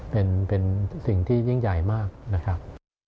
เป็นสิ่งที่ยิ่งใหญ่มากนะครับ